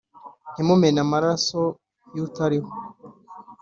Ntimumene amaraso y utariho